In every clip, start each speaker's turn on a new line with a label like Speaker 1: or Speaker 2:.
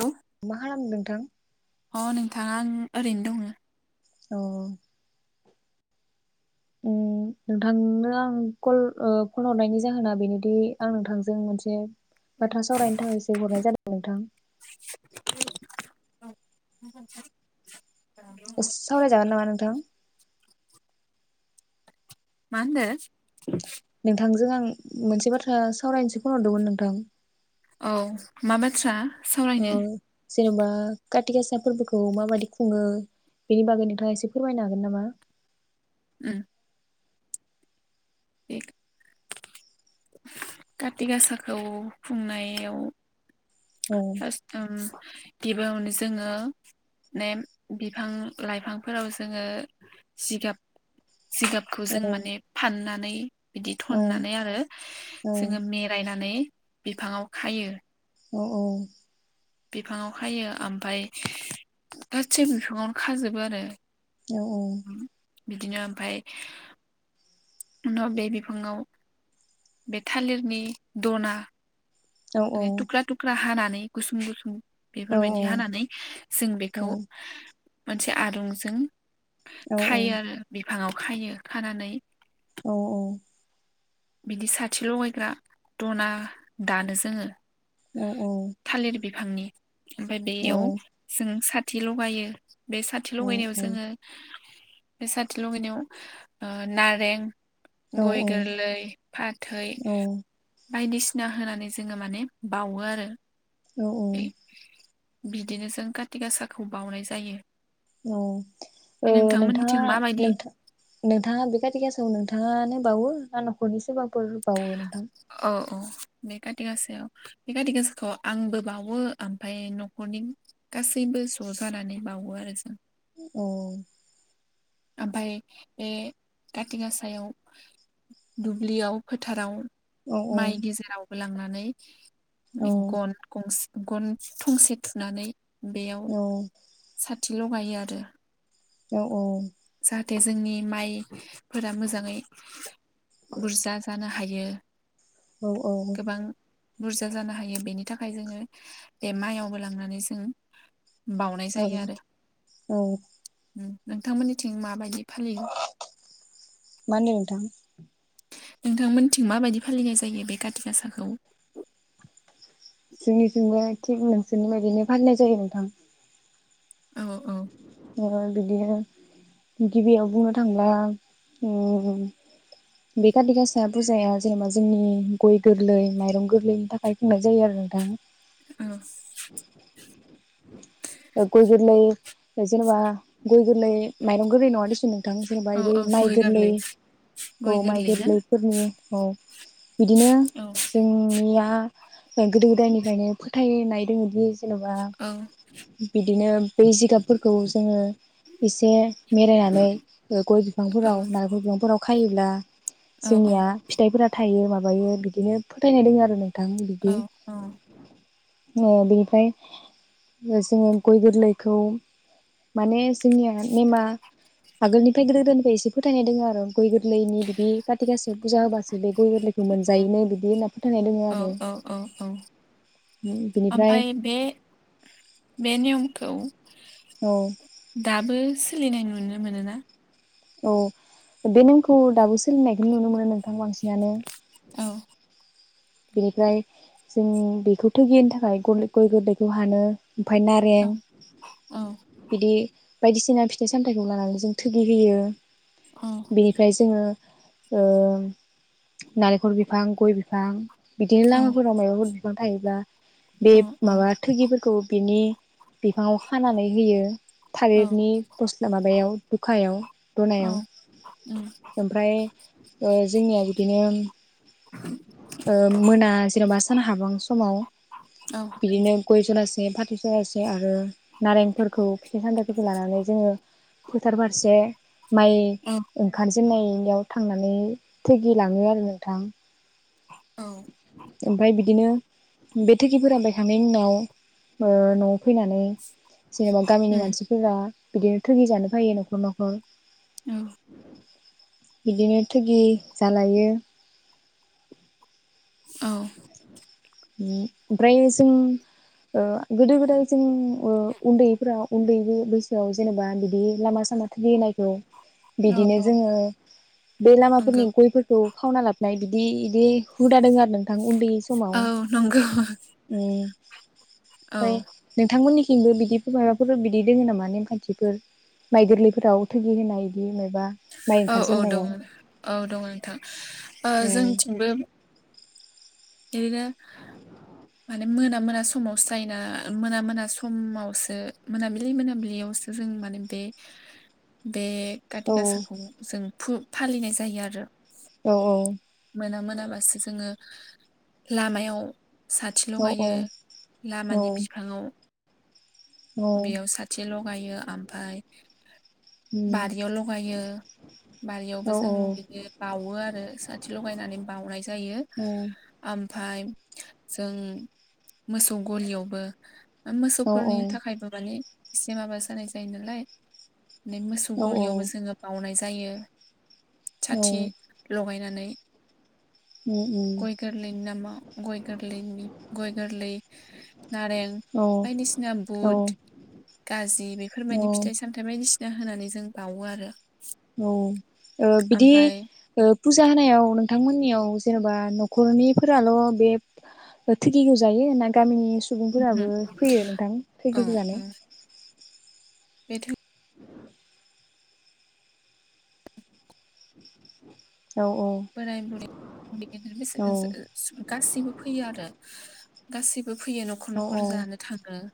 Speaker 1: औ
Speaker 2: मा खालामदो नोंथां
Speaker 1: अ नोंथां आं ओरैनो दङो
Speaker 2: अ औ नोंथांनो आं कल औ फन हरनायनि जाहोना बेनोदि आं नोंथांजों मोनसे बोथ्रा सावरायनो थाखायसो हरनाय जादों नोंथां
Speaker 1: नंगौ नोंथां
Speaker 2: सावरायजागोन नामा नोंथां
Speaker 1: माहोनदो
Speaker 2: नोंथांजों आं मोनसे बाथ्रा सावरायनोसो फन हरदोंमोन नोंथां
Speaker 1: औ मा बाथ्रा सावरायनो
Speaker 2: जेनबा काति गासा फोरबोखौ माबायदि खुङो बेनि बागै नोंथाङा एसे फोरमायनो हागोन नामा
Speaker 1: ओम ए काति गासाखौ खुंनायाव
Speaker 2: औ
Speaker 1: [unintelligible] गिबियावनो जोङो नेम बिफां लाइफांफोराव जोङो जिगाब जिगाबखौ
Speaker 2: औ
Speaker 1: जों माने फाननानै बिदि
Speaker 2: औ
Speaker 1: थननानै आरो जोङो मिरायनानै बिफाङाव खायो
Speaker 2: औ औ
Speaker 1: बिफाङाव खायो ओमफाय गासै बिफाङावनो खाजोबो आरो
Speaker 2: औ औ
Speaker 1: बिदिनो ओमफाय उनाव बे बिफाङाव बे थालिरनि दना
Speaker 2: औ
Speaker 1: ओमफाय थुख्रा थुख्रा हानानानै इ गुसुं गुसुं बेफोरबायदि हानानै जों
Speaker 2: औ
Speaker 1: बेखौ मोनसे आरुंजों खायो
Speaker 2: औ
Speaker 1: आरो बे फाङाव खायो खानानै
Speaker 2: औ औ
Speaker 1: बिदि साथि लगायग्रा दना दानो जोङो
Speaker 2: औ
Speaker 1: थालिर बिफांनि ओमफाय
Speaker 2: औ
Speaker 1: बेयाव जों साथ थि लगायो बे साथि
Speaker 2: औ
Speaker 1: लगायनायाव
Speaker 2: औ
Speaker 1: जोङो बे साथि लगायनायाव ओ नारें
Speaker 2: औ
Speaker 1: गय गोरलै फाथै
Speaker 2: औ
Speaker 1: बायदिसिना होनानै जोङो माने बावो आरो।
Speaker 2: औ औ।
Speaker 1: बे बिदिनो जों कारति गासाखौ बाउनाय जायो।
Speaker 2: औ
Speaker 1: ओमफ्राय
Speaker 2: ओ नोंथाङा
Speaker 1: नोंथांमोननिथिं माबायदि
Speaker 2: नोंथा नोंथाङा बे खाथि गासायाव नोंथाङानो बावो ना नखरनि सोरबा बो होबावयो नोंथां?
Speaker 1: औ औ बे काथि गाासायाव बे काथि गासाखौ आंबो बावो ओमफाय नखरनि गासैबो ज' जानानै बावो आरो जों।
Speaker 2: उम।
Speaker 1: ओमफाय बे काथि गासायाव दुब्लियाव फोथाराव
Speaker 2: औ
Speaker 1: माइ गेजेराव लांनानै
Speaker 2: औ
Speaker 1: उम गन गंसे गन थंसे थुनानै बेयाव थि लगायो आरो।
Speaker 2: औ औ।
Speaker 1: जाहाथे जोंनि माइफोरा मोजाङै बुरजा जाना थायो।
Speaker 2: औ औ।
Speaker 1: बुरजा जानो हायो बेनि थाखाय जोङो बे माइयावबो लांनानै जों बाउनाय
Speaker 2: औ
Speaker 1: जायो आरो।
Speaker 2: औ
Speaker 1: उम नों थांमोननिथिं माबायदि फालियो
Speaker 2: मा होन्दों नोंथां?
Speaker 1: नोंथांमोनथिं माबायदि फालिनाय जायो बे काति गासाखौ?
Speaker 2: जोंनिथिंबो थिग नोंसोरनि बायदिनो फालिनाय जायो नोंथां।
Speaker 1: औ औ औ।
Speaker 2: ओ बिदिनो गिबियाव बुंनो थांब्ला उम बे खाथि गासा फुजाया जेनेबा जोंनि गय गोरलै माइरं गोरलैनि थाखाय खुंनाय जायो आरो ना नोंथां।
Speaker 1: औ
Speaker 2: ओ गय गोरलै जेनेबा गय गोरलै माइरं गोरलै नङा देसुन नों थां जेनेबा
Speaker 1: औ
Speaker 2: बै
Speaker 1: औ
Speaker 2: माइ
Speaker 1: गय
Speaker 2: गोरलै औ
Speaker 1: गय
Speaker 2: माइ
Speaker 1: गोरलै ना
Speaker 2: गोरलैफोरनि औ बिदिनो
Speaker 1: औ
Speaker 2: जोंनिया गोदो गोदायनिफ्रायनो फोथायनाय दोङो दि
Speaker 1: औ
Speaker 2: बिदिनो बै जिगाबफोरखौ जोङो एसे मेरायनानै गय
Speaker 1: औ
Speaker 2: बिफांफोराव नारिखल बिफांफोराव खायोब्ला
Speaker 1: औ औ
Speaker 2: जोंनिया फिथाइफोरा थायो माबायो बिदिनो फोथायनाय दङ आरो नों थां बिदि।
Speaker 1: औ
Speaker 2: ओ बेनिफ्राय जोङो गय गोरलैखौ माने जोंनिया नेमा आगोलनिफ्राय गोदो गोदायनिफ्राय एसे फोथायनाय दङ आरो गय गोरलैनि बिदि खाथि गासा पुजा होबासो बे गय गोरलैखौ मोनजायोनो बिदि होनना फोथायनाय दोङ
Speaker 1: औ
Speaker 2: आरो
Speaker 1: औ औ औ
Speaker 2: बि बिनिफ्राय
Speaker 1: ओमफ्राय बे बे नियमखौ
Speaker 2: औ
Speaker 1: दाबो सोलिनाय नुनो मोनो ना?
Speaker 2: औ बे नेमखौ दाबो सोलिनायखौनो नुनो मोनो नोंथां बांसिनानो।
Speaker 1: औ
Speaker 2: बेनिफ्राय जों बेखौ थोगि होनो थाखाय गरलि गय गोरलैखौ हानो। ओमफाय
Speaker 1: औ
Speaker 2: नारें
Speaker 1: औ
Speaker 2: बिदि बायदिसिना फिथाइ सामथाइखौ लानानै जों थोगि होयो।
Speaker 1: औ
Speaker 2: बेनिफ्राय जोङो ओ नालेखर बिफां गय बिफां बिदिनो
Speaker 1: औ
Speaker 2: लामाफोराव मायबाफोर बि फां थायोब्ला बे
Speaker 1: औ औ
Speaker 2: माबा थोगिफोरखौ बिनि बिफाङाव खानानै होयो।
Speaker 1: औ
Speaker 2: थालिरनि गस्ला माबायाव दुखायाव
Speaker 1: औ
Speaker 2: दनायाव
Speaker 1: उम
Speaker 2: ओमफ्राय ओ जोंनिया बिदिनो मोना जेनबा सान हाबहां समाव
Speaker 1: औ
Speaker 2: बिदिनो गय जरासे फाथै जरासे आरो नारेंफोरखौ फिथाइ सामथाइ फोरखौ लानानै जोङो फोथार फारसे माइ
Speaker 1: औ
Speaker 2: ओंखारसि [unintelligible] थांनानै थोगिलाङो आरो नोंथां।
Speaker 1: औ
Speaker 2: ओमफ्राय बिदिनो बे थोगिफोरा [unintelligible] उनाव ओ नआव फैनानै जेनेबा गामिनि
Speaker 1: उम
Speaker 2: मानसिफोरा बिदिनो थुगि जानो फैयो न'खर न'खर
Speaker 1: औ
Speaker 2: बिदिनो थुगि जालायो
Speaker 1: औ
Speaker 2: ओमफ्राय जों ओ गोदो गोदाय जों ओ उन्दैफोरा उन्दै बैसोआव जेनेबा बिदि लामा सामा थुगिनायखौ बिदिनो
Speaker 1: औ
Speaker 2: जोङो बे लामाफोरनि
Speaker 1: नंगौ
Speaker 2: गयफोरखौ खावना लाबनाय बिदि इ [unintelligible] दि हुदा दोङो आरो नों दा उन्दै समाव
Speaker 1: औ नंगौ
Speaker 2: उम
Speaker 1: औ
Speaker 2: पाय नोंथांमोननि थिग बेबादि माबाफोर बिदि दोङो नामा नेमखान्थिफोर माइ गोरलैफोराव थुगि होनाय बिदिधँ
Speaker 1: औ औ दङ औ दङ नोंथां ओ जोंथिंबो ओरैनो माने मोना मोना समावसो थायोना मोना मोना समावसो मोनाबिलि मोनाबिलियावसो जों माने बे बे काथि
Speaker 2: औ
Speaker 1: गासाखौ जों फु फालिनाय जायो आरो
Speaker 2: औ औ
Speaker 1: मोना मोनाबासो जोङो लामायाव साथि
Speaker 2: औ
Speaker 1: लगायो
Speaker 2: औ
Speaker 1: लामानि बिफाङाव
Speaker 2: औ
Speaker 1: बेयाव साथिल' मायो ओमफाय बारियाव लगायो बारियावबो
Speaker 2: औ
Speaker 1: जों बिदि बावो आरो साथि लगायनानै बाउनाय जायो। ओमफाय जों मोसौ गलियावबो मोसौफोरनि थाखायबो माने एसे माबा जानाय जायो नालाय माने मोसौ गलियावबो जोङो बावनाय जा जायो। साथि लगायनानै
Speaker 2: उम उम
Speaker 1: गय गोरलैनि नामाव गय गोरलैनि गय गोरलै नारें बायदिसिना
Speaker 2: औ
Speaker 1: बुट गाजि बेफोरबायदि फिथाइ सामथाय बाय बायदिसिना होनानै जों बावो आरो
Speaker 2: औ ओ बिदि
Speaker 1: ओमफाय
Speaker 2: ओ फुजा होनायाव नोंथांमोननियाव जेनबा नखरनिफोराल' बे थुगिगौ जायो ना गामिनि सुबुंफोराबो फैयो नोंथां थुगिखौजानो
Speaker 1: बेथ
Speaker 2: [inaudible]
Speaker 1: बोराय बुरैै उन्दै गेदेर बैसो
Speaker 2: औ
Speaker 1: ओ जो ओ गासिबो फैयो आरो गासिब बो फैयो नखर
Speaker 2: औ
Speaker 1: नखर जानो थाङो [inaudible]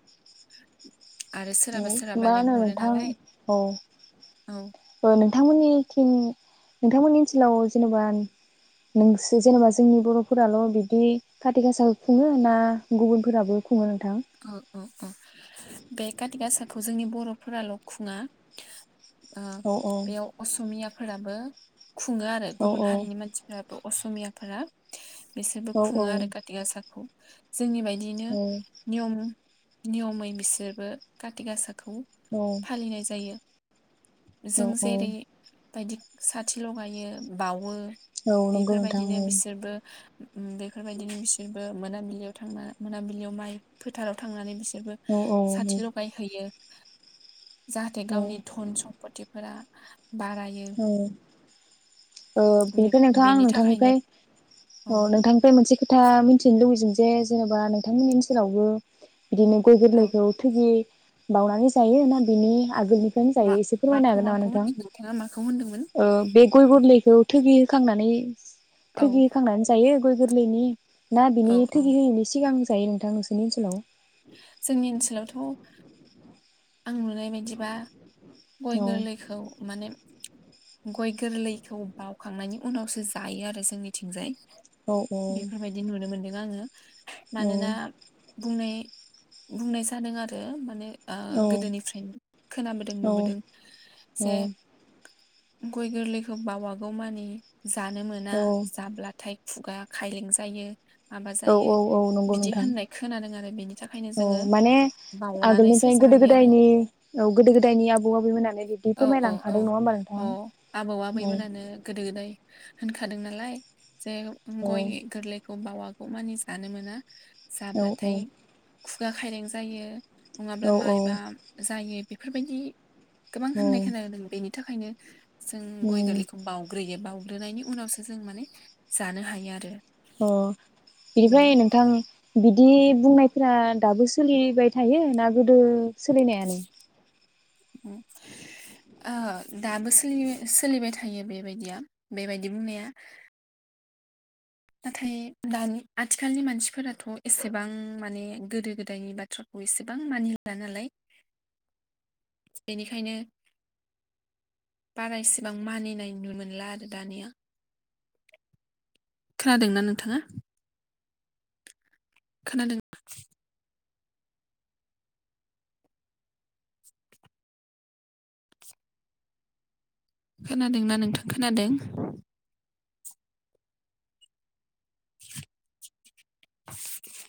Speaker 1: सोरहाबा सोरहाबा
Speaker 2: मा होनो
Speaker 1: लेंहरो
Speaker 2: नोंथां
Speaker 1: नालाय
Speaker 2: औ
Speaker 1: औ
Speaker 2: ओ नोंथांमोननि थिं नोंथांमोननि ओनसोलाव जेनबा नोंसो जेनेबा जोंनि बरफोराल बिदि खाति गासाखौ खुङो ना गुबुनफोराबो खु
Speaker 1: औ औ औ बे खातिगासा खौ जोंनि बरफोराल खुङा ओ
Speaker 2: औ औ
Speaker 1: बेयाव असमिया फोराबो खुङो आरो
Speaker 2: औ
Speaker 1: गुबुन हारिनि मानसिफ्राब असमियाफोरा बिसोरबो
Speaker 2: औ
Speaker 1: खुङो आरो काथिगासाखौ जोंनि बायदियैनो नियम नियमै बिसोरबो खाथि गासा खौ
Speaker 2: औ
Speaker 1: फालिनाय जायो
Speaker 2: औ
Speaker 1: जों जेरै बायदि साथि लगायो बावो
Speaker 2: औ नंगौ नोंथां औ
Speaker 1: बेफोरबायदिनो बिसोरबो ओम बेफोरबायदिनो बिसोरबो मोनाबिलियाव थांना मोनाबिलियाव माइ फोथाराव थांनानै बिसो सोरबो
Speaker 2: औ औ
Speaker 1: साथि लगायहैयो जाहाथे
Speaker 2: ओ
Speaker 1: गावनि धन सम्पथिफोरा बारायो
Speaker 2: ओ
Speaker 1: बे
Speaker 2: बेनिफ्राय नोंथाङा आं
Speaker 1: बेनि थाखायनो
Speaker 2: नोंथांनिफ्राय औ नोंथांनिफ्राय मोनसे खोथा मिथिनो लुबैदों जे जेनेबा नोंथांमोननि ओनसोलावबो बिदिनो गय
Speaker 1: औ
Speaker 2: गोरलैखौ थुगि बावनानै जायो ना बिनि आगोलनिफ्रायनो
Speaker 1: मा
Speaker 2: जायो एसे फोरमायनो
Speaker 1: माखौ
Speaker 2: हागोन नामा
Speaker 1: माखौ
Speaker 2: नोंथां
Speaker 1: होनदों नोंथाङा माखौ होनदोंमोन
Speaker 2: ओ बे गय गोरलै बेयाव थगि होखांनानै
Speaker 1: औ
Speaker 2: थोगि होखांनानै जायो गय गोर [unintelligible] ना बिनि
Speaker 1: औ औ
Speaker 2: थोगि होयैनि सिगां जायो नोंथां नोंसोरनि ओनसोलाव
Speaker 1: जोंनि ओनसोलावथ' आं नुनाय बायदिबा गय
Speaker 2: ओनसोलाव औ
Speaker 1: गोरलैखौ माने गय गोरलैखौ बावखांनायनि उनावसो जायो आरो जोंनिथिंजाय।
Speaker 2: औ
Speaker 1: बेफोरबायदि नुनो मोनो। आङो
Speaker 2: औ
Speaker 1: मानोना बुंनाय बुंनाय जादों आरो माने
Speaker 2: औ
Speaker 1: गोदोनिफ्रायनो खोनाबोदों
Speaker 2: औ
Speaker 1: नुबोदों
Speaker 2: औ
Speaker 1: जे गय गोरलैखौ बावागौ मानि जानो मोना
Speaker 2: औ
Speaker 1: जाब्लाथाय खुगा खायलें जायो। माबा
Speaker 2: औ
Speaker 1: जायो
Speaker 2: औ औ नंगौ
Speaker 1: बिदि
Speaker 2: नोंथां
Speaker 1: होननाय खोनादों आरो बेनि थाखायनो
Speaker 2: औ
Speaker 1: जोङो
Speaker 2: माने
Speaker 1: बावनानैसो
Speaker 2: आगोलनिफ्राय गोदो
Speaker 1: जायो आरो
Speaker 2: गोदायनि औ गोदो गोदायनि आबौ आबैमोना
Speaker 1: औ औ औ अ' आबौ आबैमोनानो गोदो गोदाय होनखादों नालाय जे
Speaker 2: औ
Speaker 1: गय गोरलैखौ बावा गौ मानि जानो मोना।
Speaker 2: औ
Speaker 1: जाब्लाथाय खुगा खायलें जायो। नङाब्ला
Speaker 2: औ
Speaker 1: मायबा
Speaker 2: औ
Speaker 1: जायो बेफोरबायदि गोबां
Speaker 2: औ
Speaker 1: होननाय खोनादों बेनि थाखायनो जों गय
Speaker 2: उम
Speaker 1: गोरलैखौ बावग्रोयो बाव उन्दुनायनि उनावसो जों माने जानो हायो आरो।
Speaker 2: अ'
Speaker 1: बिदि
Speaker 2: बिनिफ्राय नोंथां बिदि बुंनायफोरा दाबो सोलिबाय थायो ना गोदो सोलिनायानो?
Speaker 1: ओ दाबो सोलिबाय थायो बेबायदि बेबायदि बुंनाया। नाथाय दानि आथिखालनि मानसिफोराथ एसेबां माने गोदो गोदायनि बाथ्राखौ एसेबां मानिला नालाय। बेनिखायनो बारा एसेबां मानिनाय नुनो मोनला आरो दानिया। खोनादोंना नोंथाङा? खोनादों [unintelligible] खोनादोंना नोंथां खोनादों? [inaudible]